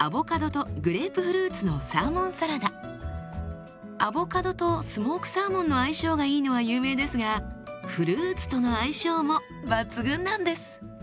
こちらはアボカドとスモークサーモンの相性がいいのは有名ですがフルーツとの相性も抜群なんです。